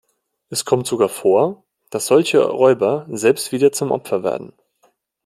Es kommt sogar vor, dass solche Räuber selbst wieder zum Opfer werden.